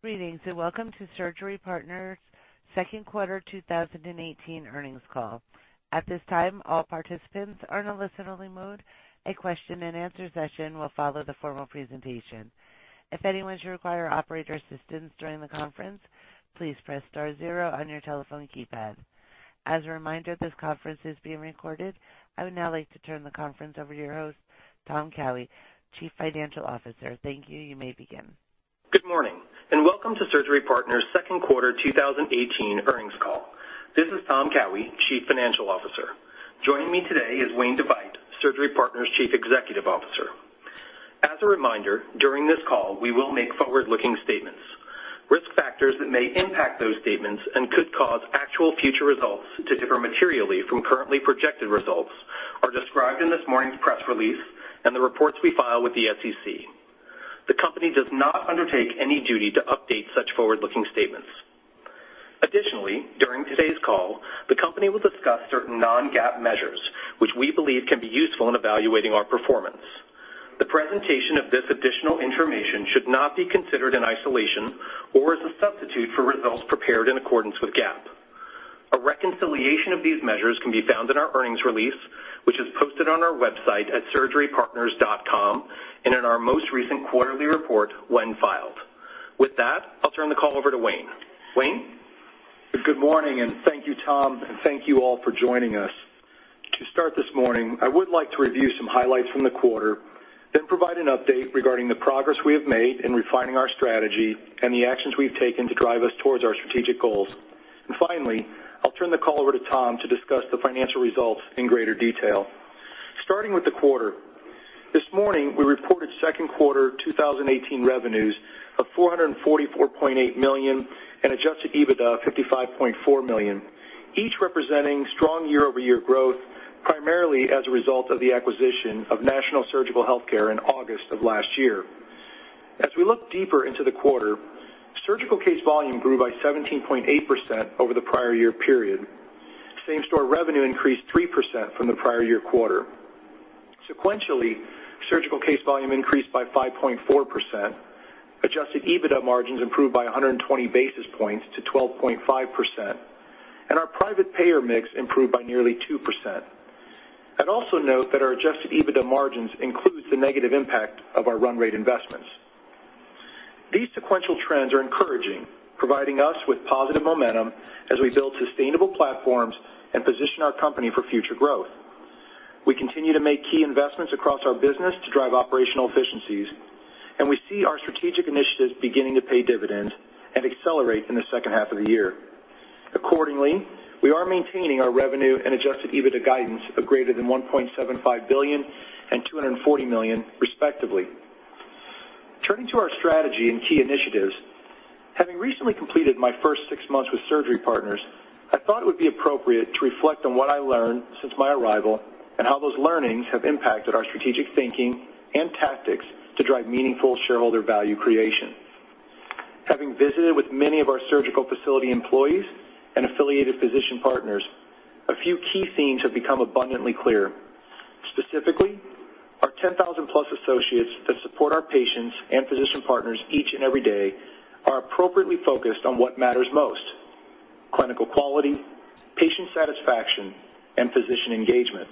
Greetings, welcome to Surgery Partners' second quarter 2018 earnings call. At this time, all participants are in a listen-only mode. A question-and-answer session will follow the formal presentation. If anyone should require operator assistance during the conference, please press star zero on your telephone keypad. As a reminder, this conference is being recorded. I would now like to turn the conference over to your host, Tom Cigarran, Chief Financial Officer. Thank you. You may begin. Good morning, welcome to Surgery Partners' second quarter 2018 earnings call. This is Tom Cigarran, Chief Financial Officer. Joining me today is Wayne DeVeydt, Surgery Partners' Chief Executive Officer. As a reminder, during this call, we will make forward-looking statements. Risk factors that may impact those statements and could cause actual future results to differ materially from currently projected results are described in this morning's press release and the reports we file with the SEC. The company does not undertake any duty to update such forward-looking statements. Additionally, during today's call, the company will discuss certain non-GAAP measures which we believe can be useful in evaluating our performance. The presentation of this additional information should not be considered in isolation or as a substitute for results prepared in accordance with GAAP. A reconciliation of these measures can be found in our earnings release, which is posted on our website at surgerypartners.com and in our most recent quarterly report when filed. With that, I'll turn the call over to Wayne. Wayne? Good morning, thank you, Tom, thank you all for joining us. To start this morning, I would like to review some highlights from the quarter, then provide an update regarding the progress we have made in refining our strategy and the actions we've taken to drive us towards our strategic goals. Finally, I'll turn the call over to Tom to discuss the financial results in greater detail. Starting with the quarter. This morning, we reported second quarter 2018 revenues of $444.8 million and adjusted EBITDA of $55.4 million, each representing strong year-over-year growth, primarily as a result of the acquisition of National Surgical Healthcare in August of last year. As we look deeper into the quarter, surgical case volume grew by 17.8% over the prior year period. Same-store revenue increased 3% from the prior year quarter. Sequentially, surgical case volume increased by 5.4%, adjusted EBITDA margins improved by 120 basis points to 12.5%, our private payer mix improved by nearly 2%. I'd also note that our adjusted EBITDA margins includes the negative impact of our run rate investments. These sequential trends are encouraging, providing us with positive momentum as we build sustainable platforms and position our company for future growth. We continue to make key investments across our business to drive operational efficiencies, we see our strategic initiatives beginning to pay dividends and accelerate in the second half of the year. Accordingly, we are maintaining our revenue and adjusted EBITDA guidance of greater than $1.75 billion and $240 million respectively. Turning to our strategy and key initiatives, having recently completed my first six months with Surgery Partners, I thought it would be appropriate to reflect on what I learned since my arrival and how those learnings have impacted our strategic thinking and tactics to drive meaningful shareholder value creation. Having visited with many of our surgical facility employees and affiliated physician partners, a few key themes have become abundantly clear. Specifically, our 10,000-plus associates that support our patients and physician partners each and every day are appropriately focused on what matters most, clinical quality, patient satisfaction, and physician engagement.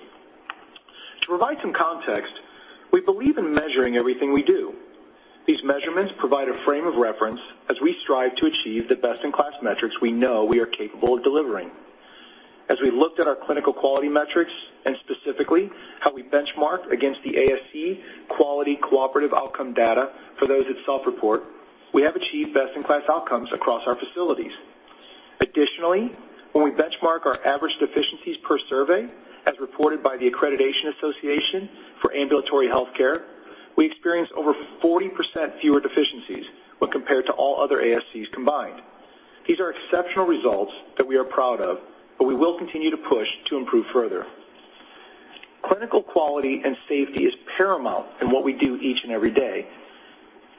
To provide some context, we believe in measuring everything we do. These measurements provide a frame of reference as we strive to achieve the best-in-class metrics we know we are capable of delivering. As we looked at our clinical quality metrics, specifically how we benchmark against the ASC Quality Collaboration outcome data for those that self-report, we have achieved best-in-class outcomes across our facilities. Additionally, when we benchmark our average deficiencies per survey, as reported by the Accreditation Association for Ambulatory Health Care, we experience over 40% fewer deficiencies when compared to all other ASCs combined. These are exceptional results that we are proud of, we will continue to push to improve further. Clinical quality and safety is paramount in what we do each and every day,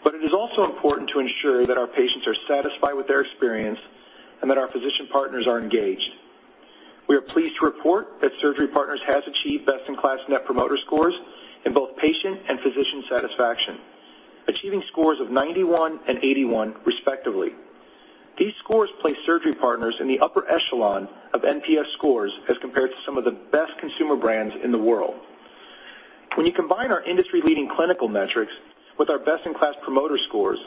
it is also important to ensure that our patients are satisfied with their experience and that our physician partners are engaged. We are pleased to report that Surgery Partners has achieved best in class net promoter scores in both patient and physician satisfaction, achieving scores of 91 and 81 respectively. These scores place Surgery Partners in the upper echelon of NPS scores as compared to some of the best consumer brands in the world. When you combine our industry-leading clinical metrics with our best-in-class promoter scores,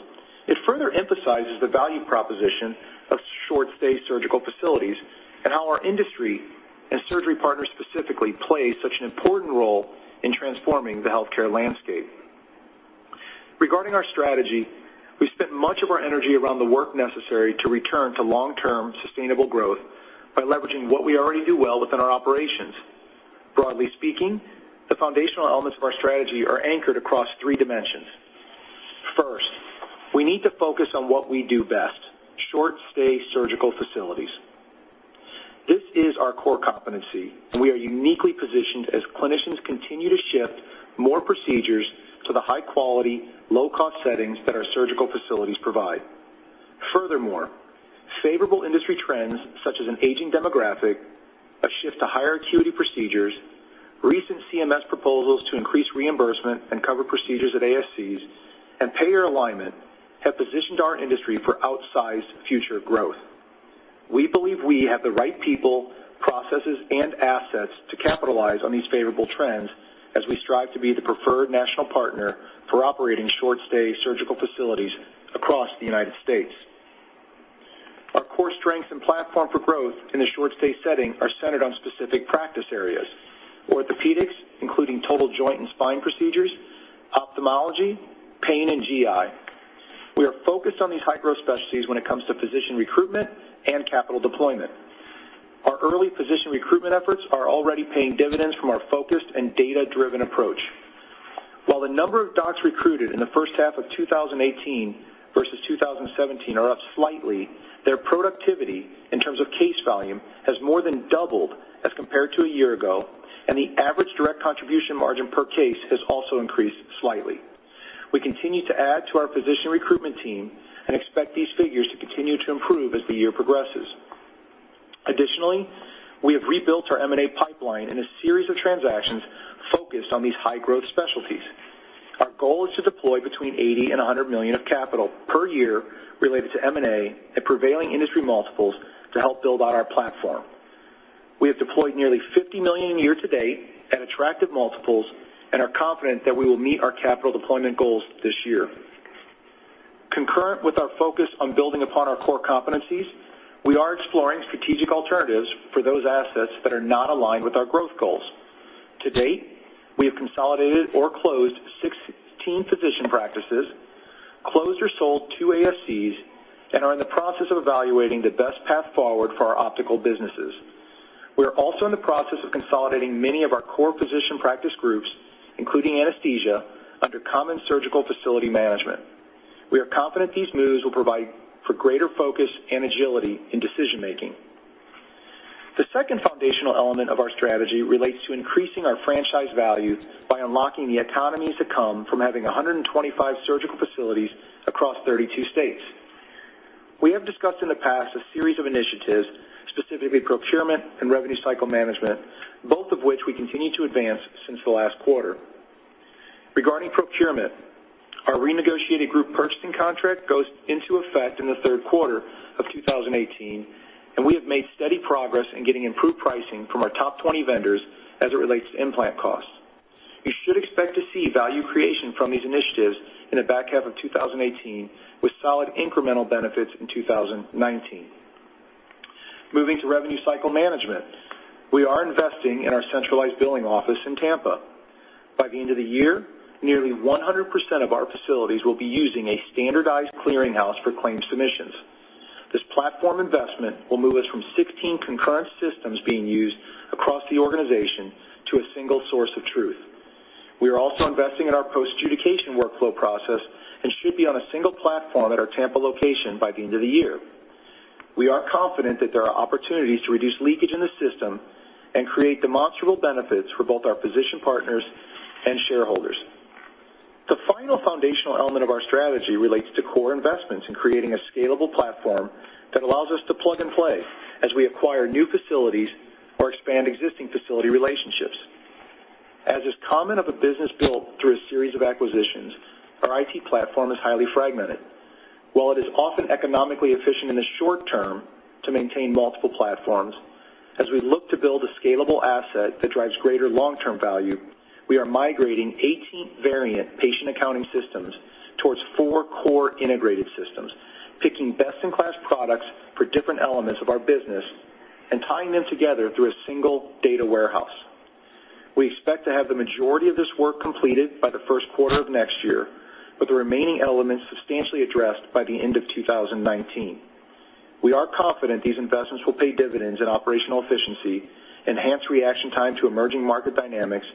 it further emphasizes the value proposition of short-stay surgical facilities and how our industry and Surgery Partners specifically play such an important role in transforming the healthcare landscape. Regarding our strategy, we spent much of our energy around the work necessary to return to long-term sustainable growth by leveraging what we already do well within our operations. Broadly speaking, the foundational elements of our strategy are anchored across three dimensions. First, we need to focus on what we do best, short-stay surgical facilities. This is our core competency, we are uniquely positioned as clinicians continue to shift more procedures to the high-quality, low-cost settings that our surgical facilities provide. Favorable industry trends such as an aging demographic, a shift to higher acuity procedures, recent CMS proposals to increase reimbursement and cover procedures at ASCs, and payer alignment have positioned our industry for outsized future growth. We believe we have the right people, processes, and assets to capitalize on these favorable trends as we strive to be the preferred national partner for operating short stay surgical facilities across the U.S. Our core strengths and platform for growth in the short stay setting are centered on specific practice areas, orthopedics, including total joint and spine procedures, ophthalmology, pain, and GI. We are focused on these high-growth specialties when it comes to physician recruitment and capital deployment. Our early physician recruitment efforts are already paying dividends from our focused and data-driven approach. While the number of docs recruited in the first half of 2018 versus 2017 are up slightly, their productivity in terms of case volume has more than doubled as compared to a year ago, and the average direct contribution margin per case has also increased slightly. We continue to add to our physician recruitment team and expect these figures to continue to improve as the year progresses. Additionally, we have rebuilt our M&A pipeline in a series of transactions focused on these high-growth specialties. Our goal is to deploy between $80 million-$100 million of capital per year related to M&A at prevailing industry multiples to help build out our platform. We have deployed nearly $50 million year to date at attractive multiples and are confident that we will meet our capital deployment goals this year. Concurrent with our focus on building upon our core competencies, we are exploring strategic alternatives for those assets that are not aligned with our growth goals. To date, we have consolidated or closed 16 physician practices, closed or sold 2 ASCs, and are in the process of evaluating the best path forward for our optical businesses. We are also in the process of consolidating many of our core physician practice groups, including anesthesia, under common surgical facility management. We are confident these moves will provide for greater focus and agility in decision-making. The second foundational element of our strategy relates to increasing our franchise value by unlocking the economies that come from having 125 surgical facilities across 32 states. We have discussed in the past a series of initiatives, specifically procurement and revenue cycle management, both of which we continue to advance since the last quarter. Regarding procurement, our renegotiated group purchasing contract goes into effect in the third quarter of 2018, and we have made steady progress in getting improved pricing from our top 20 vendors as it relates to implant costs. You should expect to see value creation from these initiatives in the back half of 2018 with solid incremental benefits in 2019. Moving to revenue cycle management, we are investing in our centralized billing office in Tampa. By the end of the year, nearly 100% of our facilities will be using a standardized clearinghouse for claims submissions. This platform investment will move us from 16 concurrent systems being used across the organization to a single source of truth. We are also investing in our post-adjudication workflow process and should be on a single platform at our Tampa location by the end of the year. We are confident that there are opportunities to reduce leakage in the system and create demonstrable benefits for both our physician partners and shareholders. The final foundational element of our strategy relates to core investments in creating a scalable platform that allows us to plug and play as we acquire new facilities or expand existing facility relationships. As is common of a business built through a series of acquisitions, our IT platform is highly fragmented. While it is often economically efficient in the short term to maintain multiple platforms, as we look to build a scalable asset that drives greater long-term value, we are migrating 18 variant patient accounting systems towards four core integrated systems, picking best in class products for different elements of our business and tying them together through a single data warehouse. We expect to have the majority of this work completed by the first quarter of next year, with the remaining elements substantially addressed by the end of 2019. We are confident these investments will pay dividends in operational efficiency, enhance reaction time to emerging market dynamics,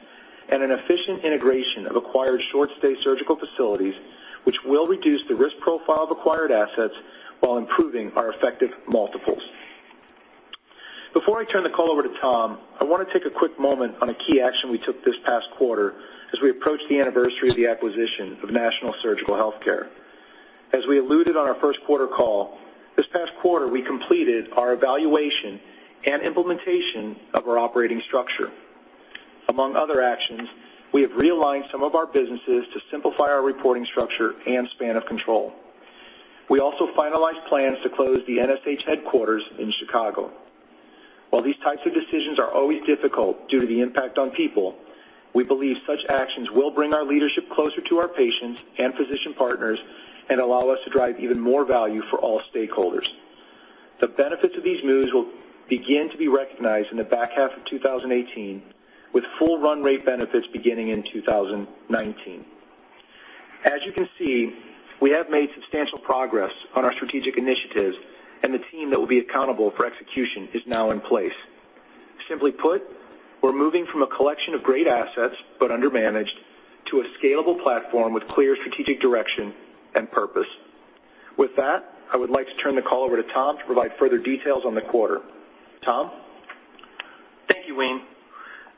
and an efficient integration of acquired short stay surgical facilities, which will reduce the risk profile of acquired assets while improving our effective multiples. Before I turn the call over to Tom, I want to take a quick moment on a key action we took this past quarter as we approach the anniversary of the acquisition of National Surgical Healthcare. As we alluded on our first quarter call, this past quarter, we completed our evaluation and implementation of our operating structure. Among other actions, we have realigned some of our businesses to simplify our reporting structure and span of control. We also finalized plans to close the NSH headquarters in Chicago. While these types of decisions are always difficult due to the impact on people, we believe such actions will bring our leadership closer to our patients and physician partners and allow us to drive even more value for all stakeholders. The benefits of these moves will begin to be recognized in the back half of 2018, with full run rate benefits beginning in 2019. As you can see, we have made substantial progress on our strategic initiatives, and the team that will be accountable for execution is now in place. Simply put, we're moving from a collection of great assets but under-managed to a scalable platform with clear strategic direction and purpose. With that, I would like to turn the call over to Tom to provide further details on the quarter. Tom? Thank you, Wayne.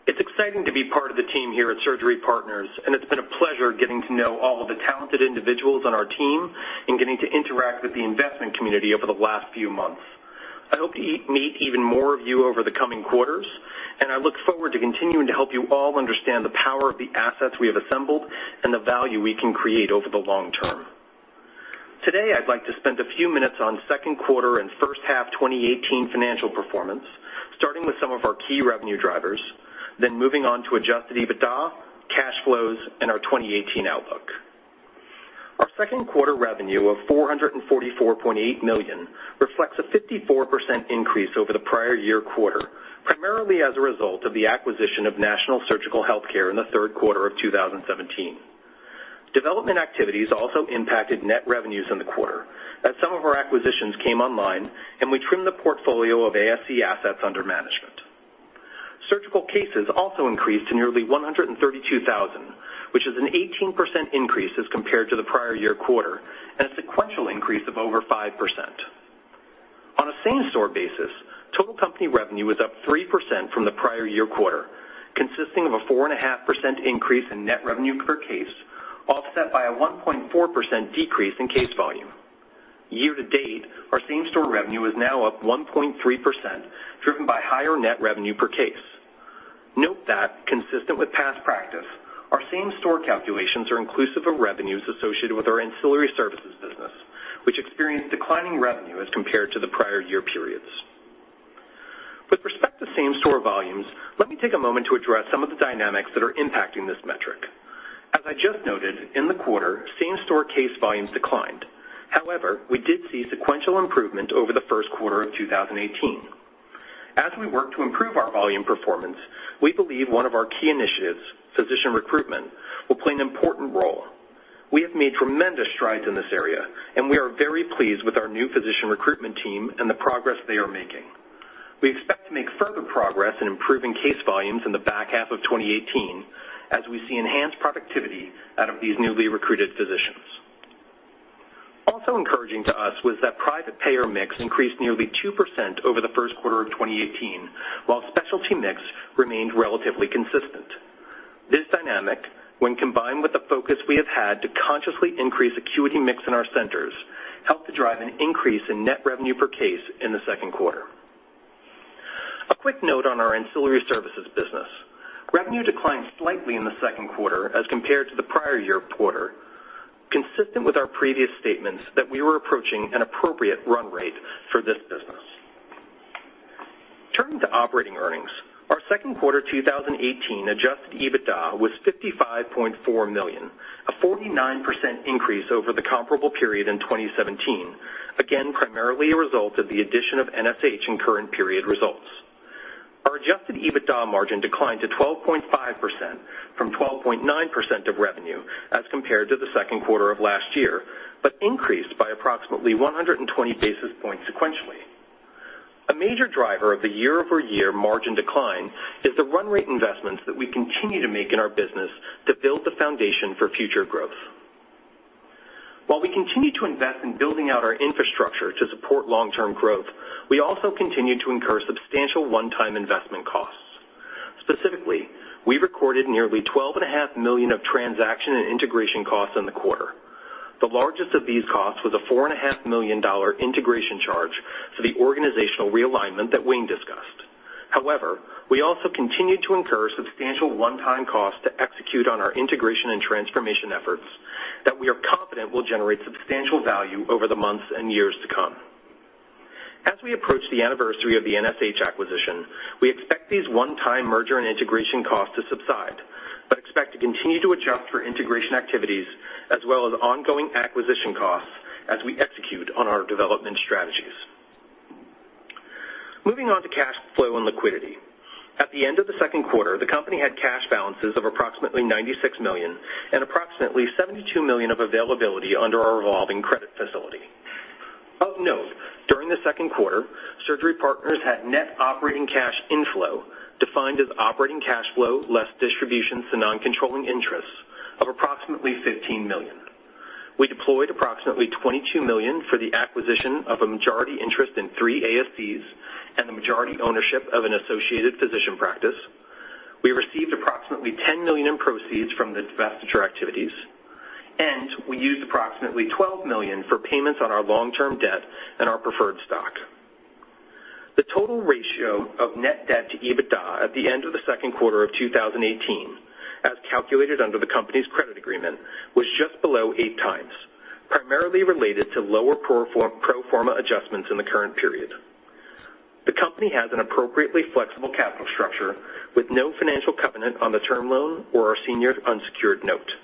It's exciting to be part of the team here at Surgery Partners, and it's been a pleasure getting to know all of the talented individuals on our team and getting to interact with the investment community over the last few months. I hope to meet even more of you over the coming quarters, and I look forward to continuing to help you all understand the power of the assets we have assembled and the value we can create over the long term. Today, I'd like to spend a few minutes on second quarter and first half 2018 financial performance, starting with some of our key revenue drivers, then moving on to adjusted EBITDA, cash flows, and our 2018 outlook. Our second quarter revenue of $444.8 million reflects a 54% increase over the prior year quarter, primarily as a result of the acquisition of National Surgical Healthcare in the third quarter of 2017. Development activities also impacted net revenues in the quarter as some of our acquisitions came online and we trimmed the portfolio of ASC assets under management. Surgical cases also increased to nearly 132,000, which is an 18% increase as compared to the prior year quarter, and a sequential increase of over 5%. On a same-store basis, total company revenue was up 3% from the prior year quarter, consisting of a 4.5% increase in net revenue per case, offset by a 1.4% decrease in case volume. Year to date, our same-store revenue is now up 1.3%, driven by higher net revenue per case. Note that consistent with past practice, our same-store calculations are inclusive of revenues associated with our ancillary services business, which experienced declining revenue as compared to the prior year periods. With respect to same-store volumes, let me take a moment to address some of the dynamics that are impacting this metric. As I just noted, in the quarter, same-store case volumes declined. We did see sequential improvement over the first quarter of 2018. As we work to improve our volume performance, we believe one of our key initiatives, physician recruitment, will play an important role. We have made tremendous strides in this area, and we are very pleased with our new physician recruitment team and the progress they are making. We expect to make further progress in improving case volumes in the back half of 2018 as we see enhanced productivity out of these newly recruited physicians. Encouraging to us was that private payer mix increased nearly 2% over the first quarter of 2018, while specialty mix remained relatively consistent. This dynamic, when combined with the focus we have had to consciously increase acuity mix in our centers, helped to drive an increase in net revenue per case in the second quarter. A quick note on our ancillary services business. Revenue declined slightly in the second quarter as compared to the prior year quarter, consistent with our previous statements that we were approaching an appropriate run rate for this business. Turning to operating earnings, our second quarter 2018 adjusted EBITDA was $55.4 million, a 49% increase over the comparable period in 2017, again, primarily a result of the addition of NSH in current period results. Our adjusted EBITDA margin declined to 12.5% from 12.9% of revenue as compared to the second quarter of last year, but increased by approximately 120 basis points sequentially. A major driver of the year-over-year margin decline is the run rate investments that we continue to make in our business to build the foundation for future growth. While we continue to invest in building out our infrastructure to support long-term growth, we also continue to incur substantial one-time investment costs. Specifically, we recorded nearly $12.5 million of transaction and integration costs in the quarter. The largest of these costs was a $4.5 million integration charge for the organizational realignment that Wayne discussed. We also continued to incur substantial one-time costs to execute on our integration and transformation efforts that we are confident will generate substantial value over the months and years to come. As we approach the anniversary of the NSH acquisition, we expect these one-time merger and integration costs to subside, but expect to continue to adjust for integration activities as well as ongoing acquisition costs as we execute on our development strategies. Moving on to cash flow and liquidity. At the end of the second quarter, the company had cash balances of approximately $96 million and approximately $72 million of availability under our revolving credit facility. Of note, during the second quarter, Surgery Partners had net operating cash inflow, defined as operating cash flow less distributions to non-controlling interests, of approximately $15 million. We deployed approximately $22 million for the acquisition of a majority interest in three ASCs and the majority ownership of an associated physician practice. We received approximately $10 million in proceeds from the divestiture activities. We used approximately $12 million for payments on our long-term debt and our preferred stock. The total ratio of net debt to EBITDA at the end of the second quarter of 2018, as calculated under the company's credit agreement, was just below 8 times, primarily related to lower pro forma adjustments in the current period. The company has an appropriately flexible capital structure with no financial covenant on the term loan or our senior unsecured note.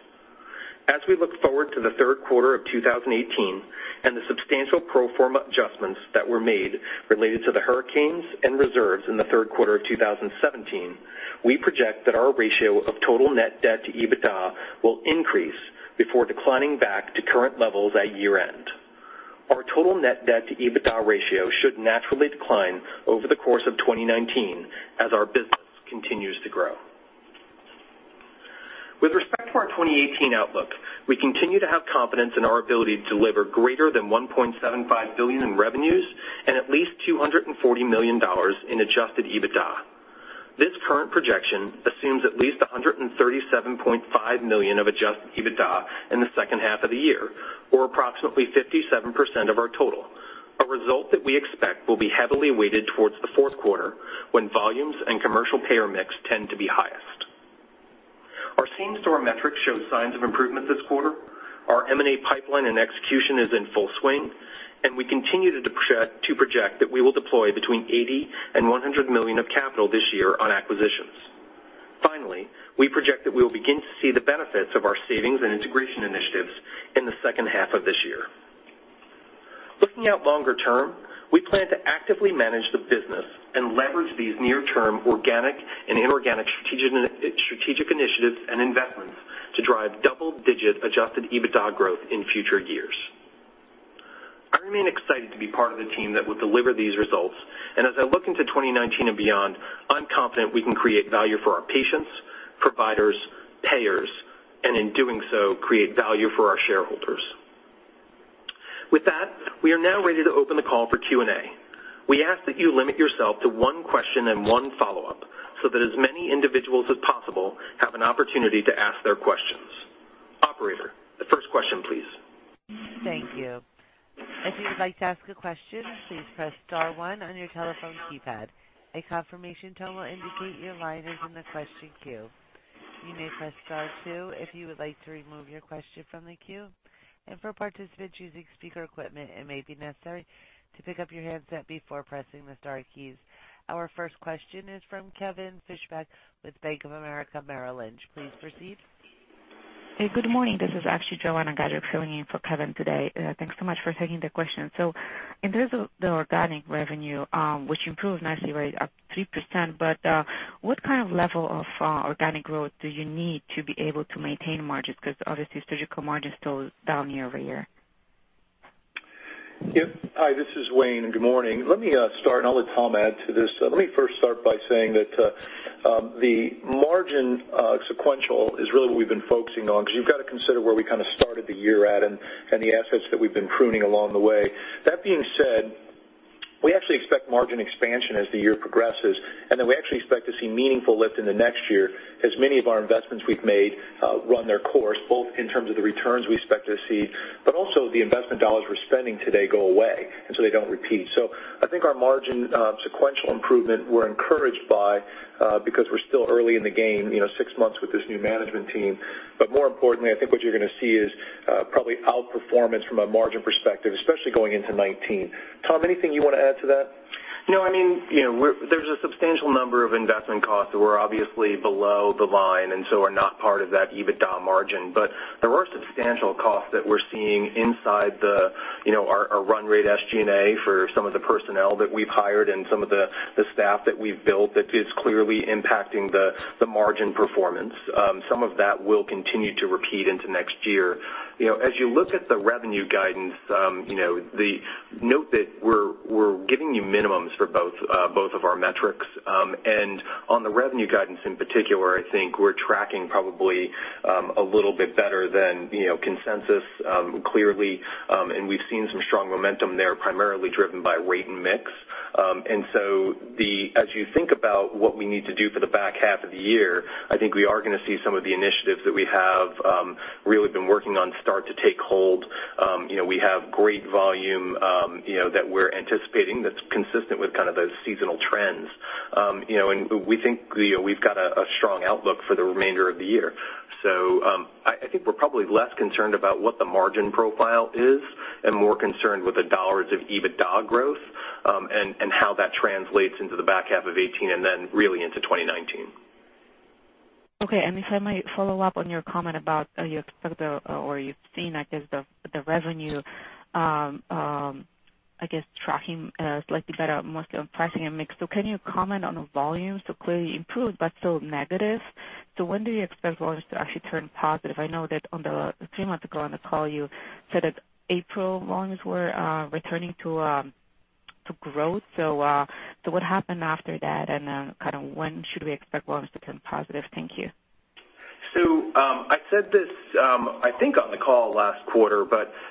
As we look forward to the third quarter of 2018 and the substantial pro forma adjustments that were made related to the hurricanes and reserves in the third quarter of 2017, we project that our ratio of total net debt to EBITDA will increase before declining back to current levels at year-end. Our total net debt-to-EBITDA ratio should naturally decline over the course of 2019 as our business continues to grow. With respect to our 2018 outlook, we continue to have confidence in our ability to deliver greater than $1.75 billion in revenues and at least $240 million in adjusted EBITDA. This current projection assumes at least $137.5 million of adjusted EBITDA in the second half of the year, or approximately 57% of our total, a result that we expect will be heavily weighted towards the fourth quarter when volumes and commercial payer mix tend to be highest. Our same-store metrics showed signs of improvement this quarter. Our M&A pipeline and execution is in full swing. We continue to project that we will deploy between $80 million and $100 million of capital this year on acquisitions. Finally, we project that we will begin to see the benefits of our savings and integration initiatives in the second half of this year. Looking out longer term, we plan to actively manage the business and leverage these near-term organic and inorganic strategic initiatives and investments to drive double-digit adjusted EBITDA growth in future years. I remain excited to be part of the team that will deliver these results. As I look into 2019 and beyond, I'm confident we can create value for our patients, providers, payers, and in doing so, create value for our shareholders. With that, we are now ready to open the call for Q&A. We ask that you limit yourself to one question and one follow-up so that as many individuals as possible have an opportunity to ask their questions. Operator, the first question, please. Thank you. If you would like to ask a question, please press star one on your telephone keypad. A confirmation tone will indicate your line is in the question queue. You may press star two if you would like to remove your question from the queue. For participants using speaker equipment, it may be necessary to pick up your handset before pressing the star keys. Our first question is from Kevin Fischbeck with Bank of America Merrill Lynch. Please proceed. Hey, good morning. This is actually Joanna Gajuk filling in for Kevin today. Thanks so much for taking the question. In terms of the organic revenue, which improved nicely, right, up 3%, what kind of level of organic growth do you need to be able to maintain margins? Because obviously surgical margin is still down year-over-year. Yep. Hi, this is Wayne, good morning. Let me start, I'll let Tom add to this. Let me first start by saying that the margin sequential is really what we've been focusing on because you've got to consider where we kind of started the year at and the assets that we've been pruning along the way. That being said, we actually expect margin expansion as the year progresses, then we actually expect to see meaningful lift in the next year as many of our investments we've made run their course, both in terms of the returns we expect to see, also the investment dollars we're spending today go away, so they don't repeat. I think our margin sequential improvement we're encouraged by because we're still early in the game, six months with this new management team. More importantly, I think what you're going to see is probably outperformance from a margin perspective, especially going into 2019. Tom, anything you want to add to that? No, I mean, there's a substantial number of investment costs that were obviously below the line so are not part of that EBITDA margin. There are substantial costs that we're seeing inside our run rate SG&A for some of the personnel that we've hired and some of the staff that we've built that is clearly impacting the margin performance. Some of that will continue to repeat into next year. As you look at the revenue guidance, note that we're giving you minimums for both of our metrics. On the revenue guidance in particular, I think we're tracking probably a little bit better than consensus, clearly, and we've seen some strong momentum there, primarily driven by rate and mix. As you think about what we need to do for the back half of the year, I think we are going to see some of the initiatives that we have really been working on start to take hold. We have great volume that we're anticipating that's consistent with kind of those seasonal trends. We think we've got a strong outlook for the remainder of the year. I think we're probably less concerned about what the margin profile is and more concerned with the $ of EBITDA growth and how that translates into the back half of 2018 and then really into 2019. Okay, if I might follow up on your comment about you expect or you've seen, I guess, the revenue, I guess, tracking slightly better mostly on pricing and mix. Can you comment on volumes to clearly improve but still negative? When do you expect volumes to actually turn positive? I know that on the three months ago on the call, you said that April volumes were returning to growth. What happened after that, and then kind of when should we expect volumes to turn positive? Thank you. I said this, I think, on the call last quarter,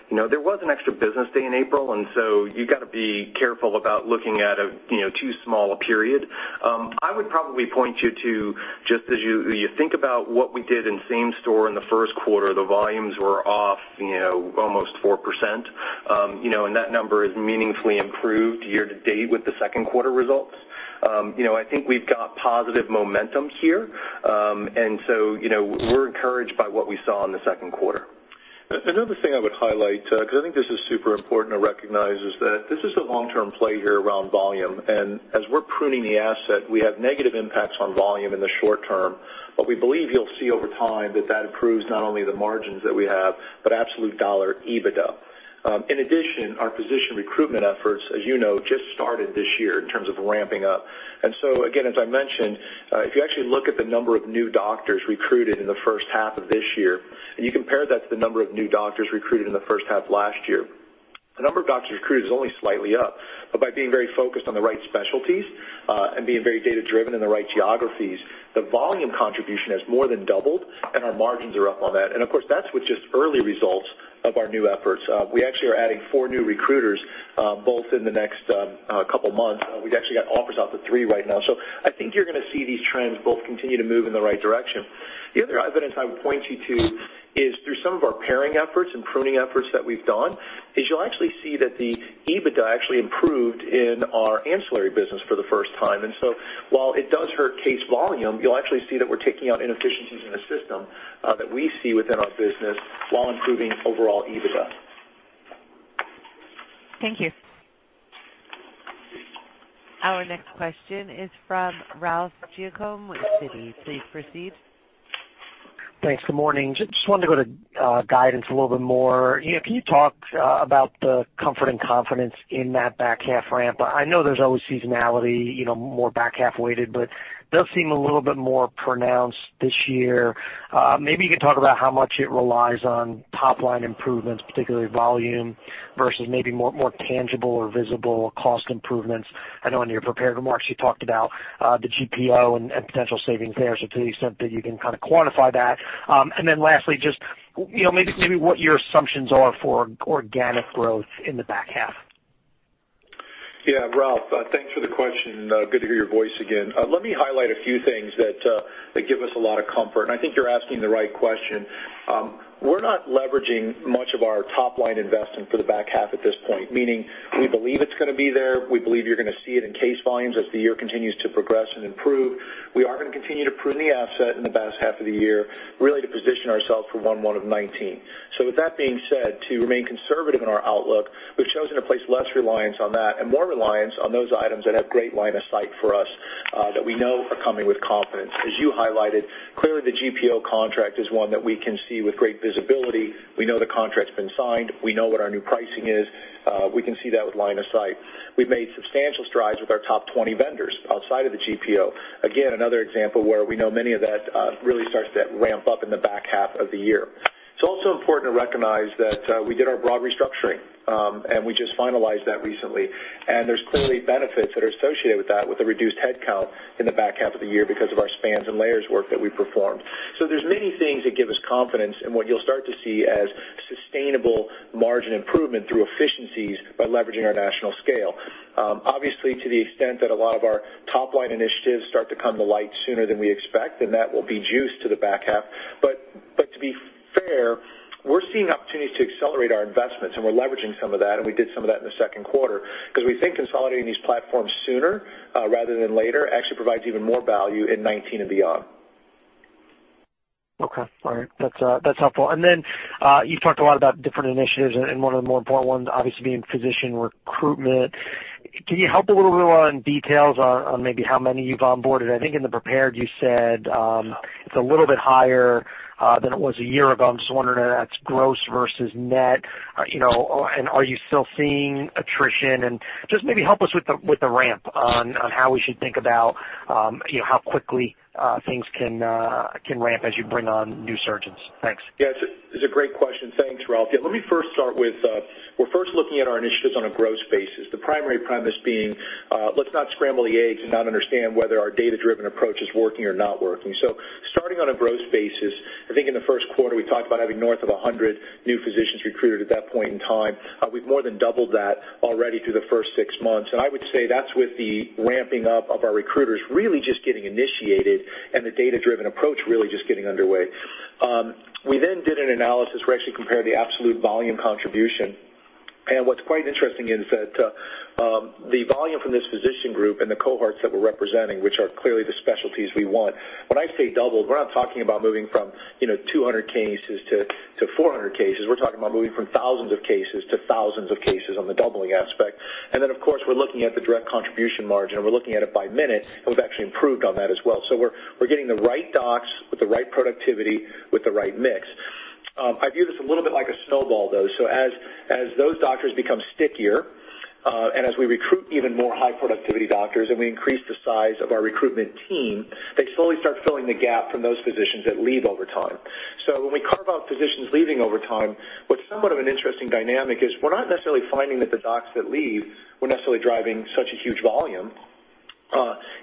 there was an extra business day in April, you got to be careful about looking at too small a period. I would probably point you to just as you think about what we did in same store in the first quarter, the volumes were off almost 4%, and that number is meaningfully improved year to date with the second quarter results. I think we've got positive momentum here, we're encouraged by what we saw in the second quarter. Another thing I would highlight, because I think this is super important to recognize, is that this is a long-term play here around volume, and as we're pruning the asset, we have negative impacts on volume in the short term. We believe you'll see over time that that improves not only the margins that we have, but absolute $ EBITDA. In addition, our physician recruitment efforts, as you know, just started this year in terms of ramping up. Again, as I mentioned, if you actually look at the number of new doctors recruited in the first half of this year, and you compare that to the number of new doctors recruited in the first half last year The number of doctors recruited is only slightly up, but by being very focused on the right specialties, and being very data-driven in the right geographies, the volume contribution has more than doubled, and our margins are up on that. Of course, that's with just early results of our new efforts. We actually are adding four new recruiters, both in the next couple of months. We've actually got offers out to three right now. I think you're going to see these trends both continue to move in the right direction. The other evidence I would point you to is through some of our paring efforts and pruning efforts that we've done, is you'll actually see that the EBITDA actually improved in our ancillary business for the first time. While it does hurt case volume, you'll actually see that we're taking out inefficiencies in the system that we see within our business while improving overall EBITDA. Thank you. Our next question is from Ralph Giacobbe with Citi. Please proceed. Thanks. Good morning. Just wanted to go to guidance a little bit more. Can you talk about the comfort and confidence in that back half ramp? I know there's always seasonality, more back half-weighted, but it does seem a little bit more pronounced this year. Maybe you can talk about how much it relies on top-line improvements, particularly volume versus maybe more tangible or visible cost improvements. I know in your prepared remarks, you talked about the GPO and potential savings there. To the extent that you can kind of quantify that. Lastly, just maybe what your assumptions are for organic growth in the back half. Yeah, Ralph, thanks for the question. Good to hear your voice again. Let me highlight a few things that give us a lot of comfort, and I think you're asking the right question. We're not leveraging much of our top-line investment for the back half at this point, meaning we believe it's going to be there. We believe you're going to see it in case volumes as the year continues to progress and improve. We are going to continue to prune the asset in the back half of the year, really to position ourselves for one month of 2019. With that being said, to remain conservative in our outlook, we've chosen to place less reliance on that and more reliance on those items that have great line of sight for us, that we know are coming with confidence. As you highlighted, clearly the GPO contract is one that we can see with great visibility. We know the contract's been signed. We know what our new pricing is. We can see that with line of sight. We've made substantial strides with our top 20 vendors outside of the GPO. Again, another example where we know many of that really starts to ramp up in the back half of the year. It's also important to recognize that we did our broad restructuring, and we just finalized that recently. There's clearly benefits that are associated with that with a reduced headcount in the back half of the year because of our spans and layers work that we performed. There's many things that give us confidence, and what you'll start to see as sustainable margin improvement through efficiencies by leveraging our national scale. Obviously, to the extent that a lot of our top-line initiatives start to come to light sooner than we expect, then that will be juiced to the back half. To be fair, we're seeing opportunities to accelerate our investments, and we're leveraging some of that, and we did some of that in the second quarter because we think consolidating these platforms sooner rather than later actually provides even more value in 2019 and beyond. Okay. All right. That's helpful. You talked a lot about different initiatives and one of the more important ones obviously being physician recruitment. Can you help a little bit on details on maybe how many you've onboarded? I think in the prepared you said, it's a little bit higher than it was a year ago. I'm just wondering if that's gross versus net, and are you still seeing attrition? Just maybe help us with the ramp on how we should think about how quickly things can ramp as you bring on new surgeons. Thanks. Yeah, it's a great question. Thanks, Ralph. Let me first start with, we're first looking at our initiatives on a gross basis. The primary premise being, let's not scramble the eggs and not understand whether our data-driven approach is working or not working. Starting on a gross basis, I think in the first quarter, we talked about having north of 100 new physicians recruited at that point in time. We've more than doubled that already through the first six months. I would say that's with the ramping up of our recruiters really just getting initiated and the data-driven approach really just getting underway. We then did an analysis where we actually compared the absolute volume contribution, and what's quite interesting is that the volume from this physician group and the cohorts that we're representing, which are clearly the specialties we want, when I say doubled, we're not talking about moving from 200 cases to 400 cases. We're talking about moving from thousands of cases to thousands of cases on the doubling aspect. Then, of course, we're looking at the direct contribution margin, and we're looking at it by minute, and we've actually improved on that as well. We're getting the right docs with the right productivity with the right mix. I view this a little bit like a snowball, though. As those doctors become stickier, and as we recruit even more high-productivity doctors and we increase the size of our recruitment team, they slowly start filling the gap from those physicians that leave over time. When we carve out physicians leaving over time, what's somewhat of an interesting dynamic is we're not necessarily finding that the docs that leave were necessarily driving such a huge volume.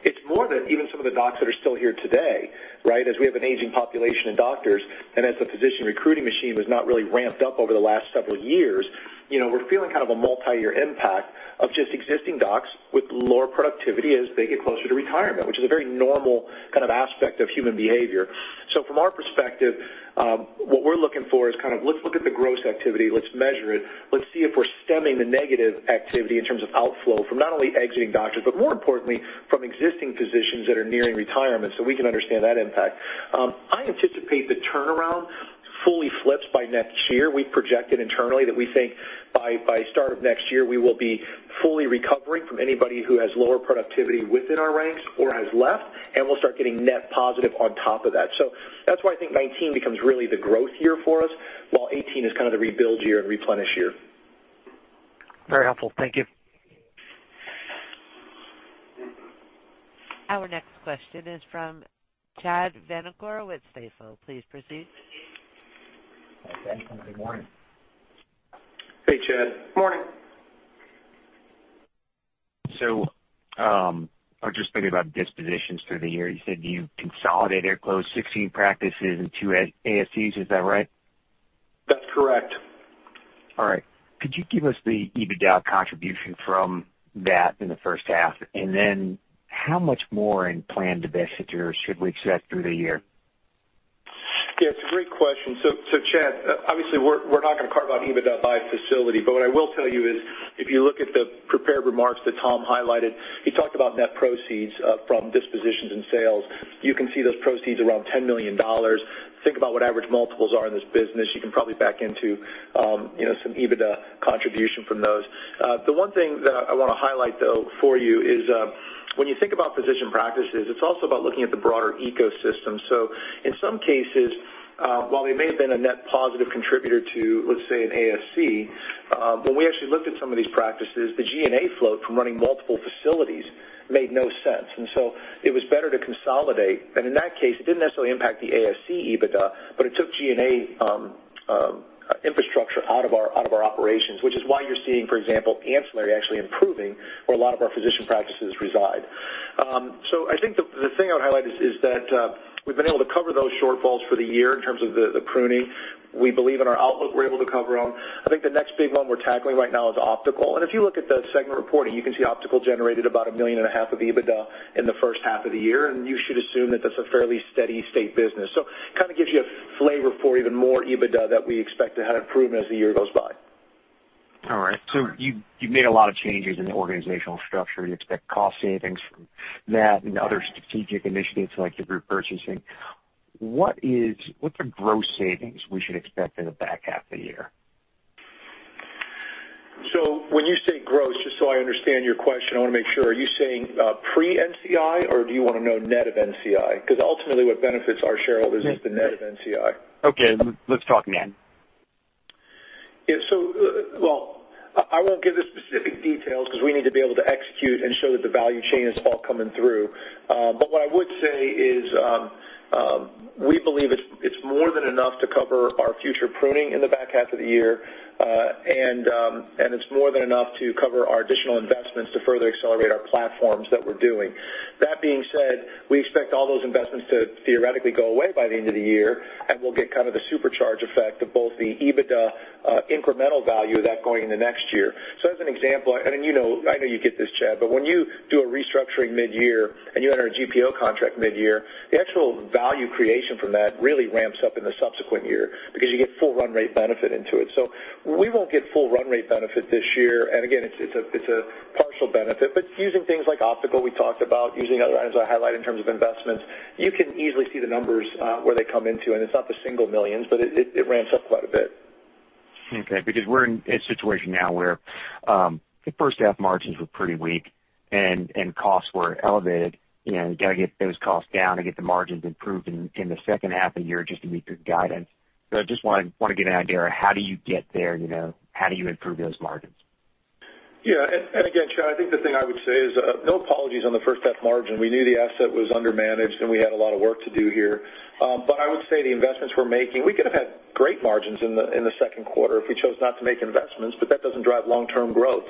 It's more that even some of the docs that are still here today, right, as we have an aging population of doctors, and as the physician recruiting machine was not really ramped up over the last several years, we're feeling kind of a multi-year impact of just existing docs with lower productivity as they get closer to retirement, which is a very normal kind of aspect of human behavior. From our perspective, what we're looking for is kind of let's look at the gross activity, let's measure it, let's see if we're stemming the negative activity in terms of outflow from not only exiting doctors, but more importantly, from existing physicians that are nearing retirement, so we can understand that impact. I anticipate the turnaround fully flips by next year. We projected internally that we think by start of next year, we will be fully recovering from anybody who has lower productivity within our ranks or has left, and we'll start getting net positive on top of that. That's why I think 2019 becomes really the growth year for us, while 2018 is kind of the rebuild year and replenish year. Very helpful. Thank you. Our next question is from Chad Vanacore with Stifel. Please proceed. Okay. Good morning. Hey, Chad. Morning. I was just thinking about dispositions through the year. You said you consolidated or closed 16 practices and two ASCs, is that right? That's correct. All right. Could you give us the EBITDA contribution from that in the first half? How much more in planned divestitures should we expect through the year? It's a great question. Chad, obviously, we're not going to carve out EBITDA by facility. What I will tell you is, if you look at the prepared remarks that Tom highlighted, he talked about net proceeds from dispositions and sales. You can see those proceeds around $10 million. Think about what average multiples are in this business. You can probably back into some EBITDA contribution from those. The one thing that I want to highlight, though, for you is, when you think about physician practices, it's also about looking at the broader ecosystem. In some cases, while we may have been a net positive contributor to, let's say, an ASC, when we actually looked at some of these practices, the G&A flow from running multiple facilities made no sense. It was better to consolidate. In that case, it didn't necessarily impact the ASC EBITDA, but it took G&A infrastructure out of our operations, which is why you're seeing, for example, ancillary actually improving where a lot of our physician practices reside. I think the thing I would highlight is that we've been able to cover those shortfalls for the year in terms of the pruning. We believe in our outlook, we're able to cover them. I think the next big one we're tackling right now is optical. If you look at the segment reporting, you can see optical generated about $1.5 million of EBITDA in the first half of the year, and you should assume that that's a fairly steady state business. Kind of gives you a flavor for even more EBITDA that we expect to have improve as the year goes by. All right. You've made a lot of changes in the organizational structure. You expect cost savings from that and other strategic initiatives like the group purchasing. What's the gross savings we should expect in the back half of the year? When you say gross, just so I understand your question, I want to make sure, are you saying pre-NCI or do you want to know net of NCI? Ultimately what benefits our shareholders is the net of NCI. Okay, let's talk net. I won't give the specific details because we need to be able to execute and show that the value chain is all coming through. What I would say is, we believe it's more than enough to cover our future pruning in the back half of the year, and it's more than enough to cover our additional investments to further accelerate our platforms that we're doing. That being said, we expect all those investments to theoretically go away by the end of the year, and we'll get kind of the supercharge effect of both the EBITDA incremental value of that going into next year. As an example, and I know you get this, Chad, but when you do a restructuring mid-year and you enter a GPO contract mid-year, the actual value creation from that really ramps up in the subsequent year because you get full run rate benefit into it. We won't get full run rate benefit this year. And again, it's a partial benefit, but using things like optical we talked about, using other items I highlighted in terms of investments, you can easily see the numbers where they come into, and it's not the single millions, but it ramps up quite a bit. Okay, because we're in a situation now where the first half margins were pretty weak and costs were elevated. You've got to get those costs down and get the margins improved in the second half of the year just to meet your guidance. I just want to get an idea of how do you get there? How do you improve those margins? Yeah. Again, Chad, I think the thing I would say is, no apologies on the first half margin. We knew the asset was under-managed, and we had a lot of work to do here. I would say the investments we're making, we could have had great margins in the second quarter if we chose not to make investments, but that doesn't drive long-term growth.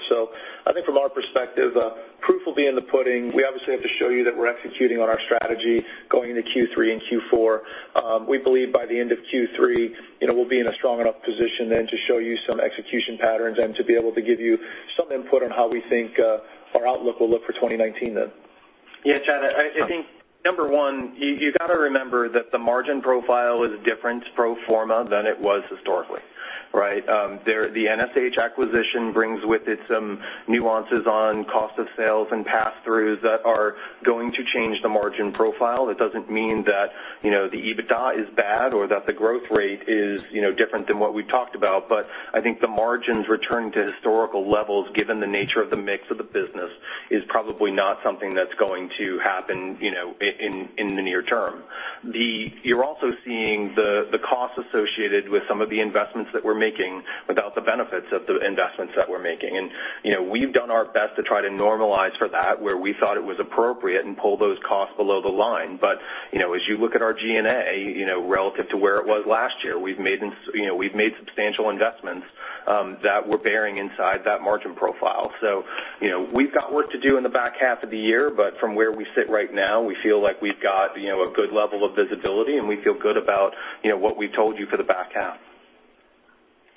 I think from our perspective, proof will be in the pudding. We obviously have to show you that we're executing on our strategy going into Q3 and Q4. We believe by the end of Q3, we'll be in a strong enough position then to show you some execution patterns and to be able to give you some input on how we think our outlook will look for 2019 then. Yeah, Chad, I think number one, you got to remember that the margin profile is different pro forma than it was historically, right? The NSH acquisition brings with it some nuances on cost of sales and passthroughs that are going to change the margin profile. It doesn't mean that the EBITDA is bad or that the growth rate is different than what we've talked about. I think the margins returning to historical levels, given the nature of the mix of the business, is probably not something that's going to happen in the near term. You're also seeing the costs associated with some of the investments that we're making without the benefits of the investments that we're making. We've done our best to try to normalize for that, where we thought it was appropriate and pull those costs below the line. As you look at our G&A, relative to where it was last year, we've made substantial investments that we're bearing inside that margin profile. We've got work to do in the back half of the year, but from where we sit right now, we feel like we've got a good level of visibility, and we feel good about what we told you for the back half.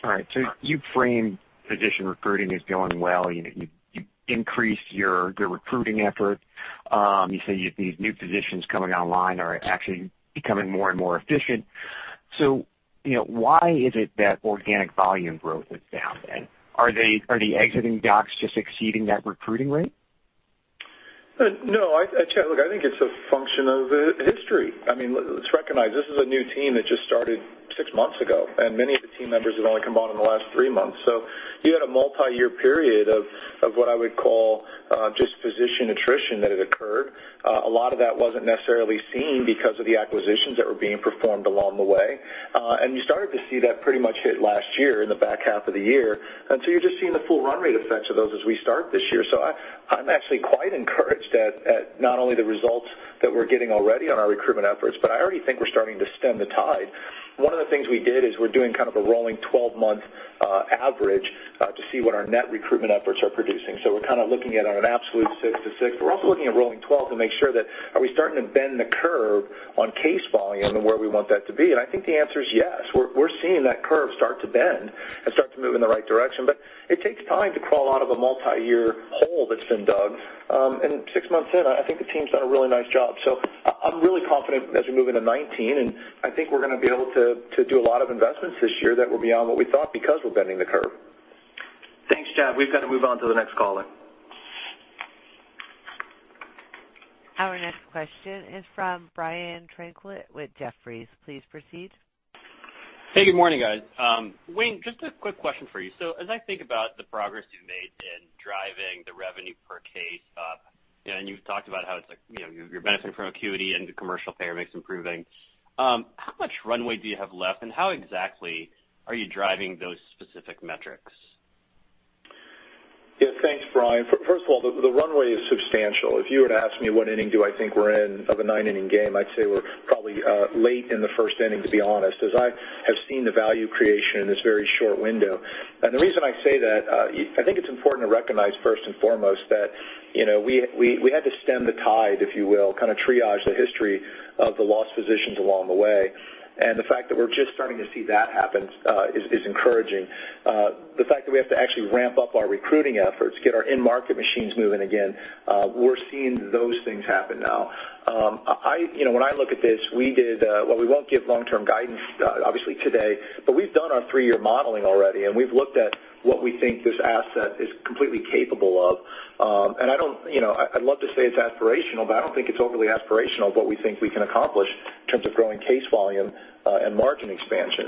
All right. You frame physician recruiting is going well. You increased your recruiting effort. You say these new physicians coming online are actually becoming more and more efficient. Why is it that organic volume growth is down then? Are the exiting docs just exceeding that recruiting rate? No. Chad, look, I mean, let's recognize, this is a new team that just started six months ago, and many of the team members have only come on in the last three months. You had a multi-year period of what I would call just physician attrition that had occurred. A lot of that wasn't necessarily seen because of the acquisitions that were being performed along the way. You started to see that pretty much hit last year in the back half of the year. You're just seeing the full run rate effects of those as we start this year. I'm actually quite encouraged at not only the results that we're getting already on our recruitment efforts, but I already think we're starting to stem the tide. One of the things we did is we're doing kind of a rolling 12-month average to see what our net recruitment efforts are producing. We're kind of looking at it on an absolute six to six. We're also looking at rolling 12 to make sure that are we starting to bend the curve on case volume and where we want that to be? I think the answer is yes. We're seeing that curve start to bend and start to move in the right direction, but it takes time to crawl out of a multi-year hole that's been dug. Six months in, I think the team's done a really nice job. I'm really confident as we move into 2019, and I think we're going to be able to do a lot of investments this year that were beyond what we thought because we're bending the curve. Thanks, Chad. We've got to move on to the next caller. Our next question is from Brian Tanquilut with Jefferies. Please proceed. Hey, good morning, guys. Wayne, just a quick question for you. As I think about the progress you've made in driving the revenue per case up, and you've talked about how you're benefiting from acuity and the commercial payer mix improving, how much runway do you have left, and how exactly are you driving those specific metrics? Yeah. Thanks, Brian. First of all, the runway is substantial. If you were to ask me what inning do I think we're in of a nine-inning game, I'd say we're probably late in the first inning, to be honest, as I have seen the value creation in this very short window. The reason I say that, I think it's important to recognize first and foremost that we had to stem the tide, if you will, kind of triage the history of the lost physicians along the way. The fact that we're just starting to see that happen is encouraging. The fact that we have to actually ramp up our recruiting efforts, get our in-market machines moving again, we're seeing those things happen now. When I look at this, we won't give long-term guidance, obviously, today, but we've done our three-year modeling already, and we've looked at what we think this asset is completely capable of. I'd love to say it's aspirational, but I don't think it's overly aspirational of what we think we can accomplish in terms of growing case volume and market expansion.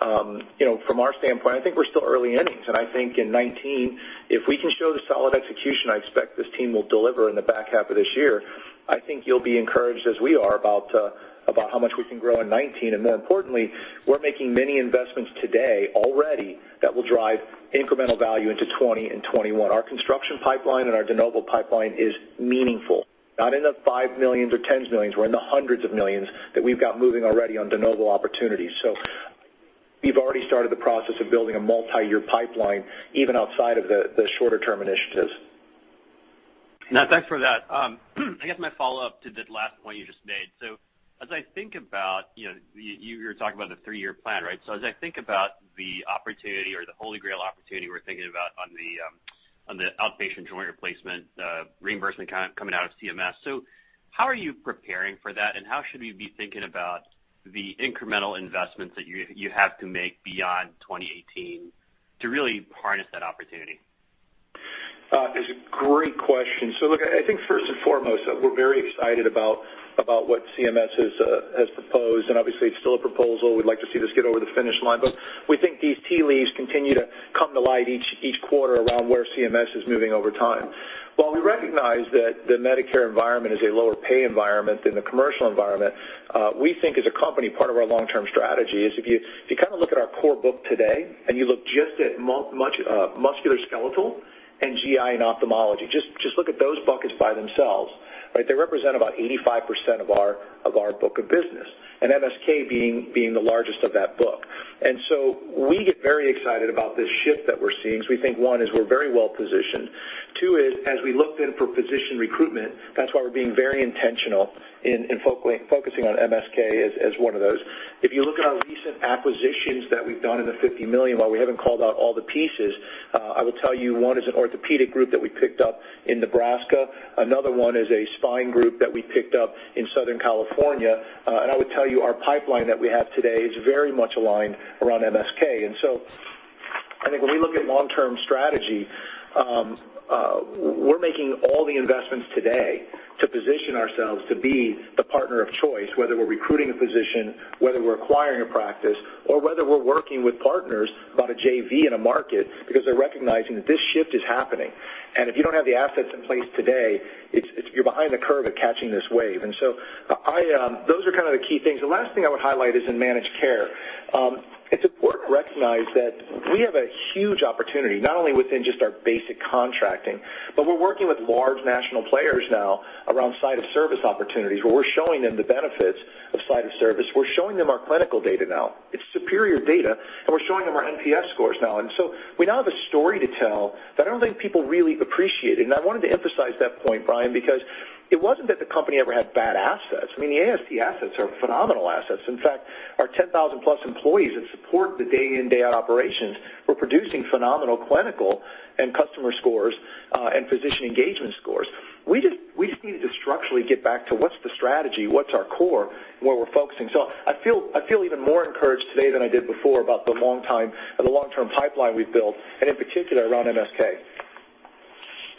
From our standpoint, I think we're still early innings, and I think in 2019, if we can show the solid execution I expect this team will deliver in the back half of this year, I think you'll be encouraged as we are about how much we can grow in 2019. More importantly, we're making many investments today already that will drive incremental value into 2020 and 2021. Our construction pipeline and our de novo pipeline is meaningful. Not in the five millions or tens of millions. We're in the hundreds of millions that we've got moving already on de novo opportunities. We've already started the process of building a multi-year pipeline, even outside of the shorter-term initiatives. No, thanks for that. I guess my follow-up to that last point you just made. As I think about, you were talking about the three-year plan, right? As I think about the opportunity or the Holy Grail opportunity we're thinking about on the outpatient joint replacement reimbursement coming out of CMS, how are you preparing for that, and how should we be thinking about the incremental investments that you have to make beyond 2018 to really harness that opportunity? It's a great question. Look, I think first and foremost, we're very excited about what CMS has proposed, and obviously, it's still a proposal. We'd like to see this get over the finish line. We think these tea leaves continue to come to light each quarter around where CMS is moving over time. While we recognize that the Medicare environment is a lower pay environment than the commercial environment, we think as a company, part of our long-term strategy is if you look at our core book today and you look just at musculoskeletal and GI and ophthalmology, just look at those buckets by themselves, they represent about 85% of our book of business, and MSK being the largest of that book. We get very excited about this shift that we're seeing because we think, one, is we're very well-positioned. Two is, as we look then for physician recruitment, that's why we're being very intentional in focusing on MSK as one of those. If you look at our recent acquisitions that we've done in the $50 million, while we haven't called out all the pieces, I will tell you one is an orthopedic group that we picked up in Nebraska. Another one is a spine group that we picked up in Southern California. I would tell you our pipeline that we have today is very much aligned around MSK. I think when we look at long-term strategy, we're making all the investments today to position ourselves to be the partner of choice, whether we're recruiting a physician, whether we're acquiring a practice, or whether we're working with partners about a JV in a market because they're recognizing that this shift is happening. If you don't have the assets in place today, you're behind the curve at catching this wave. Those are kind of the key things. The last thing I would highlight is in managed care. It's important to recognize that we have a huge opportunity, not only within just our basic contracting, but we're working with large national players now around site of service opportunities where we're showing them the benefits of site of service. We're showing them our clinical data now. It's superior data, and we're showing them our NPS scores now. We now have a story to tell that I don't think people really appreciate. I wanted to emphasize that point, Brian, because it wasn't that the company ever had bad assets. I mean, the ASC assets are phenomenal assets. In fact, our 10,000-plus employees that support the day in, day out operations were producing phenomenal clinical and customer scores and physician engagement scores. We just needed to structurally get back to what's the strategy, what's our core, and where we're focusing. I feel even more encouraged today than I did before about the long-term pipeline we've built, and in particular, around MSK.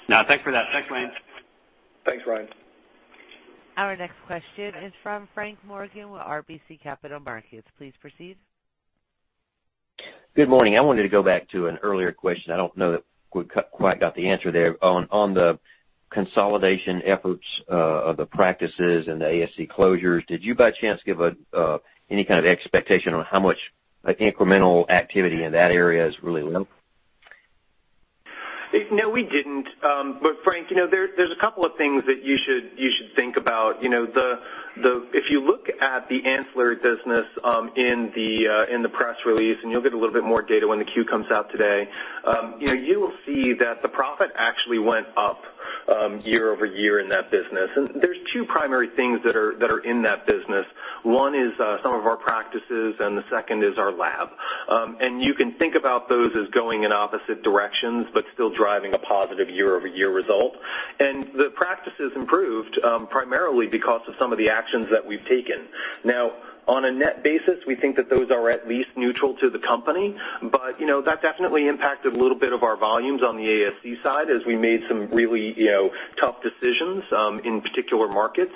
No, thanks for that. Thanks, Wayne. Thanks, Brian. Our next question is from Frank Morgan with RBC Capital Markets. Please proceed. Good morning. I wanted to go back to an earlier question. I don't know that we quite got the answer there. On the consolidation efforts of the practices and the ASC closures, did you by chance give any kind of expectation on how much incremental activity in that area is really left? No, we didn't. Frank, there's a couple of things that you should think about. If you look at the ancillary business in the press release, and you'll get a little bit more data when the Q comes out today, you will see that the profit actually went up year-over-year in that business. There's two primary things that are in that business. One is some of our practices, and the second is our lab. You can think about those as going in opposite directions but still driving a positive year-over-year result. The practices improved, primarily because of some of the actions that we've taken. Now, on a net basis, we think that those are at least neutral to the company. That definitely impacted a little bit of our volumes on the ASC side as we made some really tough decisions, in particular markets.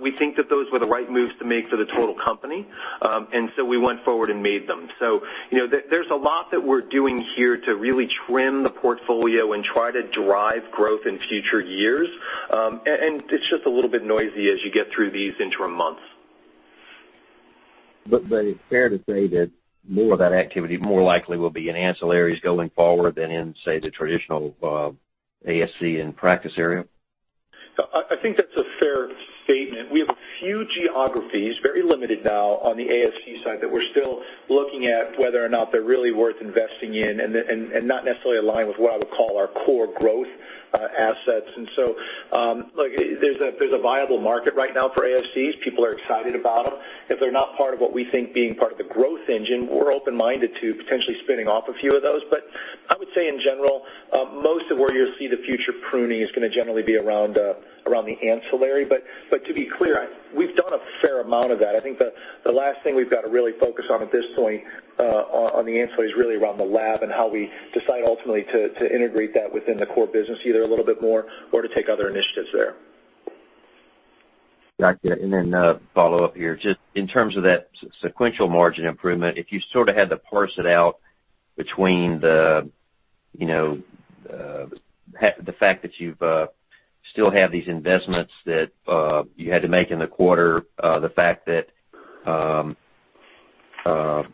We think that those were the right moves to make for the total company, and we went forward and made them. There's a lot that we're doing here to really trim the portfolio and try to drive growth in future years. It's just a little bit noisy as you get through these interim months. It's fair to say that more of that activity more likely will be in ancillaries going forward than in, say, the traditional ASC and practice area? I think that's a fair statement. We have a few geographies, very limited now, on the ASC side that we're still looking at whether or not they're really worth investing in, and not necessarily align with what I would call our core growth assets. There's a viable market right now for ASCs. People are excited about them. If they're not part of what we think being part of the growth engine, we're open-minded to potentially spinning off a few of those. I would say in general, most of where you'll see the future pruning is going to generally be around the ancillary. To be clear, we've done a fair amount of that. I think the last thing we've got to really focus on at this point, on the ancillary, is really around the lab and how we decide ultimately to integrate that within the core business, either a little bit more or to take other initiatives there. Got you. A follow-up here. Just in terms of that sequential margin improvement, if you sort of had to parse it out between the fact that you still have these investments that you had to make in the quarter, the fact that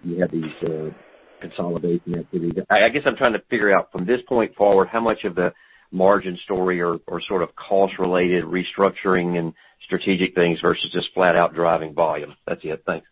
you had these consolidation activities. I guess I'm trying to figure out from this point forward, how much of the margin story or sort of cost-related restructuring and strategic things versus just flat out driving volume. That's it. Thanks.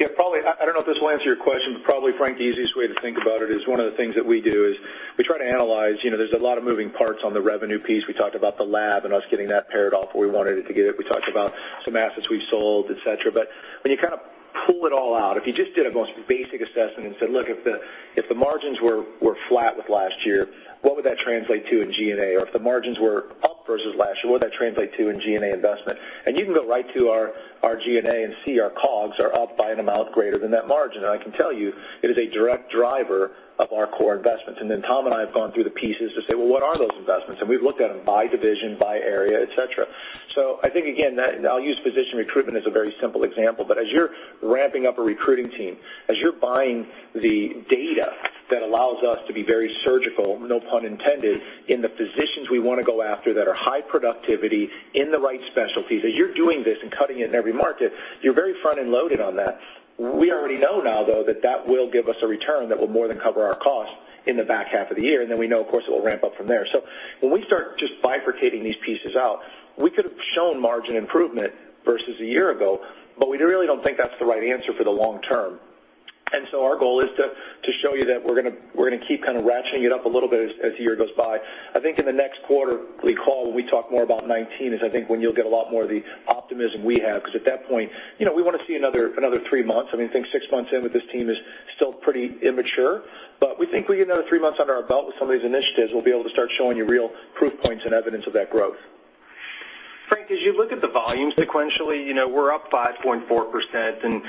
Yeah, probably. I don't know if this will answer your question, but probably, Frank, the easiest way to think about it is one of the things that we do is we try to analyze, there's a lot of moving parts on the revenue piece. We talked about the lab and us getting that paired off where we wanted to get it. We talked about some assets we've sold, et cetera. When you kind of pull it all out, if you just did a most basic assessment and said, "Look, if the margins were flat with last year, what would that translate to in G&A? Or if the margins were up versus last year, what would that translate to in G&A investment?" You can go right to our G&A and see our COGS are up by an amount greater than that margin. I can tell you, it is a direct driver of our core investments. Tom and I have gone through the pieces to say, "Well, what are those investments?" We've looked at them by division, by area, et cetera. I think, again, I'll use physician recruitment as a very simple example. As you're ramping up a recruiting team, as you're buying the data that allows us to be very surgical, no pun intended, in the physicians we want to go after that are high productivity in the right specialties. As you're doing this and cutting it in every market, you're very front-end loaded on that. We already know now, though, that that will give us a return that will more than cover our cost in the back half of the year, and then we know, of course, it will ramp up from there. When we start just bifurcating these pieces out, we could have shown margin improvement versus a year ago, but we really don't think that's the right answer for the long term. Our goal is to show you that we're going to keep kind of ratcheting it up a little bit as the year goes by. I think in the next quarterly call, when we talk more about 2019, is I think when you'll get a lot more of the optimism we have, because at that point, we want to see another three months. I think six months in with this team is still pretty immature. We think we get another three months under our belt with some of these initiatives, we'll be able to start showing you real proof points and evidence of that growth. Frank, as you look at the volume sequentially, we're up 5.4%.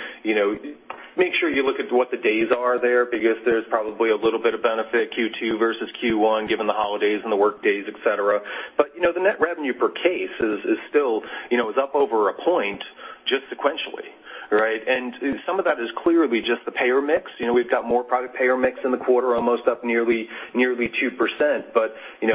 Make sure you look at what the days are there because there's probably a little bit of benefit Q2 versus Q1, given the holidays and the workdays, et cetera. The net revenue per case is still up over a point just sequentially, right? Some of that is clearly just the payer mix. We've got more private payer mix in the quarter, almost up nearly 2%.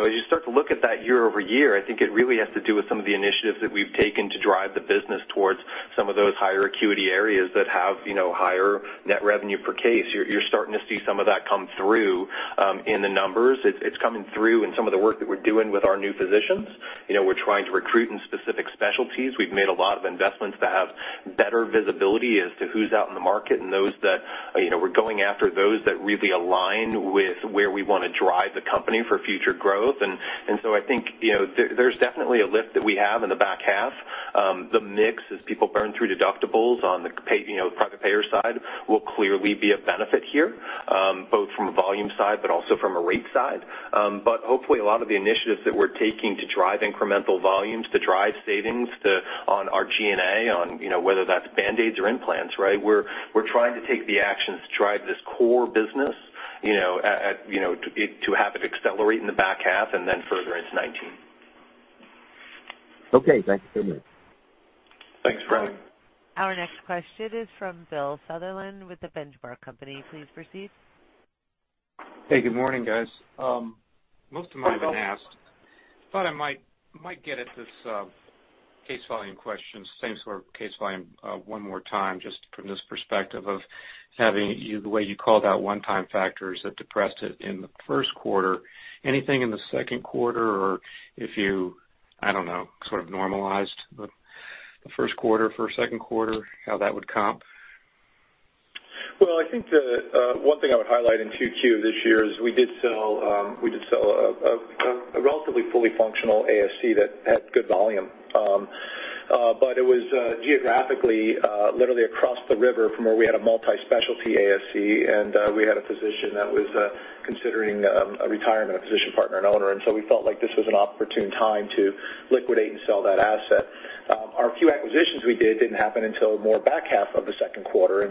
As you start to look at that year-over-year, I think it really has to do with some of the initiatives that we've taken to drive the business towards some of those higher acuity areas that have higher net revenue per case. You're starting to see some of that come through in the numbers. It's coming through in some of the work that we're doing with our new physicians. We're trying to recruit in specific specialties. We've made a lot of investments to have better visibility as to who's out in the market, we're going after those that really align with where we want to drive the company for future growth. I think there's definitely a lift that we have in the back half. The mix as people burn through deductibles on the private payer side will clearly be a benefit here, both from a volume side, but also from a rate side. Hopefully, a lot of the initiatives that we're taking to drive incremental volumes, to drive savings on our G&A, whether that's Band-Aids or implants, right? We're trying to take the actions to drive this core business to have it accelerate in the back half and then further into 2019. Okay. Thanks so much. Thanks, Frank. Our next question is from Bill Sutherland with The Benchmark Company. Please proceed. Hey, good morning, guys. Most of mine have been asked. I thought I might get at this case volume questions, same sort of case volume one more time, just from this perspective of having the way you called out one-time factors that depressed it in the first quarter. Anything in the second quarter, or if you, I don't know, sort of normalized the first quarter for second quarter, how that would comp? Well, I think the one thing I would highlight in 2Q this year is we did sell a relatively fully functional ASC that had good volume. It was geographically, literally across the river from where we had a multi-specialty ASC, and we had a physician that was considering a retirement, a physician partner and owner. We felt like this was an opportune time to liquidate and sell that asset. Our few acquisitions we did didn't happen until more back half of the second quarter.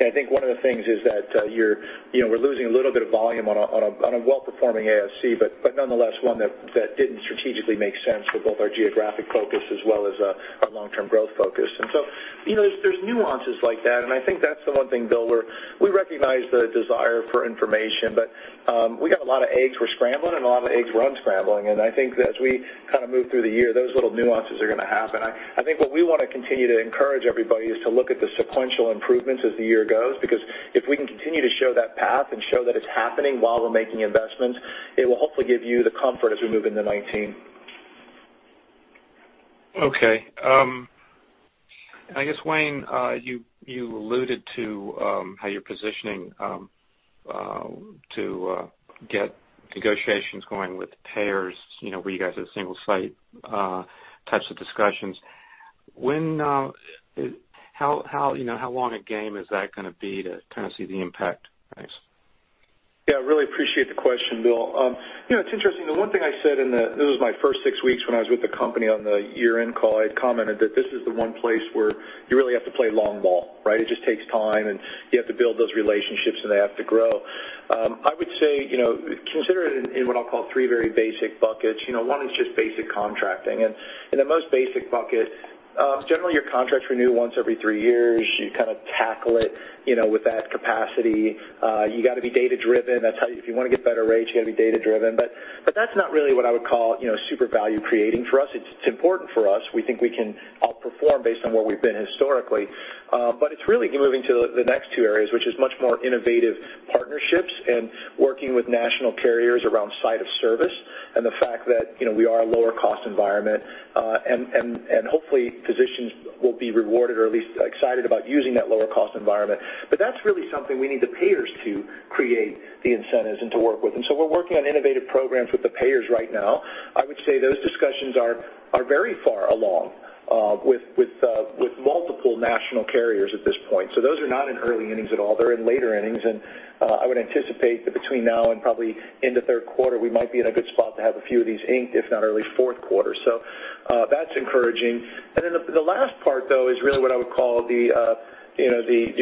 I think one of the things is that we're losing a little bit of volume on a well-performing ASC, but nonetheless, one that didn't strategically make sense for both our geographic focus as well as our long-term growth focus. There's nuances like that, and I think that's the one thing, Bill, where we recognize the desire for information, but we got a lot of eggs we're scrambling and a lot of eggs we're unscrambling. I think as we kind of move through the year, those little nuances are going to happen. I think what we want to continue to encourage everybody is to look at the sequential improvements as the year goes, because if we can continue to show that path and show that it's happening while we're making investments, it will hopefully give you the comfort as we move into 2019. Okay. I guess, Wayne, you alluded to how you're positioning to get negotiations going with the payers, where you guys have single site types of discussions. How long a game is that gonna be to kind of see the impact? Thanks. Yeah, really appreciate the question, Bill. It's interesting, the one thing I said, this was my first six weeks when I was with the company on the year-end call, I had commented that this is the one place where you really have to play long ball, right? It just takes time, and you have to build those relationships, and they have to grow. I would say, consider it in what I'll call three very basic buckets. One is just basic contracting. In the most basic bucket, generally, your contracts renew once every three years. You kind of tackle it with that capacity. You got to be data-driven. If you wanna get better rates, you got to be data-driven. That's not really what I would call super value-creating for us. It's important for us. We think we can outperform based on where we've been historically. It's really moving to the next two areas, which is much more innovative partnerships and working with national carriers around site of service, and the fact that we are a lower cost environment. Hopefully, physicians will be rewarded or at least excited about using that lower cost environment. That's really something we need the payers to create the incentives and to work with. We're working on innovative programs with the payers right now. I would say those discussions are very far along with multiple national carriers at this point. Those are not in early innings at all. They're in later innings, and I would anticipate that between now and probably end of third quarter, we might be in a good spot to have a few of these inked, if not early fourth quarter. That's encouraging. The last part, though, is really what I would call the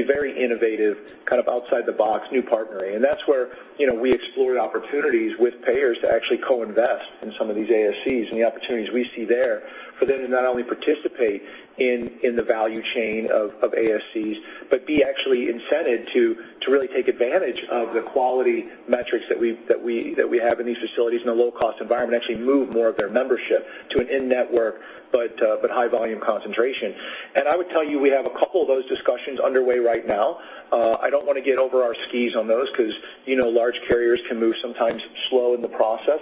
very innovative, kind of outside the box new partnering. That's where we explored opportunities with payers to actually co-invest in some of these ASCs and the opportunities we see there for them to not only participate in the value chain of ASCs, but be actually incented to really take advantage of the quality metrics that we have in these facilities in a low-cost environment, actually move more of their membership to an in-network but high volume concentration. I would tell you, we have a couple of those discussions underway right now. I don't wanna get over our skis on those because large carriers can move sometimes slow in the process.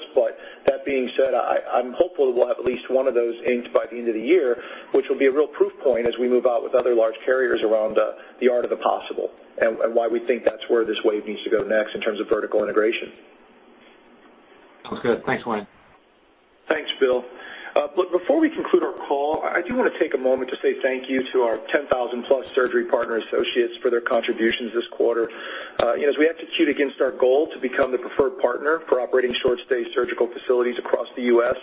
That being said, I'm hopeful we'll have at least one of those inked by the end of the year, which will be a real proof point as we move out with other large carriers around the art of the possible and why we think that's where this wave needs to go next in terms of vertical integration. Sounds good. Thanks, Wayne. Thanks, Bill. Before we conclude our call, I do wanna take a moment to say thank you to our 10,000-plus Surgery Partners associates for their contributions this quarter. As we execute against our goal to become the preferred partner for operating short-stay surgical facilities across the U.S.,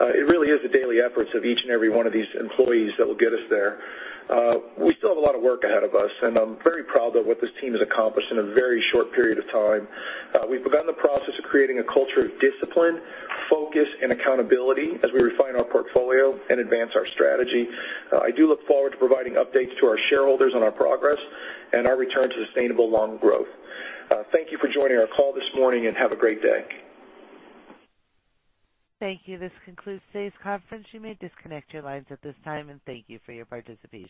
it really is the daily efforts of each and every one of these employees that will get us there. We still have a lot of work ahead of us, and I'm very proud of what this team has accomplished in a very short period of time. We've begun the process of creating a culture of discipline, focus, and accountability as we refine our portfolio and advance our strategy. I do look forward to providing updates to our shareholders on our progress and our return to sustainable long growth. Thank you for joining our call this morning, have a great day. Thank you. This concludes today's conference. You may disconnect your lines at this time, and thank you for your participation.